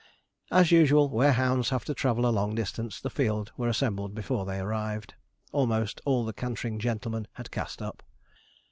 As usual, where hounds have to travel a long distance, the field were assembled before they arrived. Almost all the cantering gentlemen had cast up.